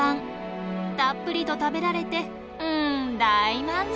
たっぷりと食べられてうん大満足。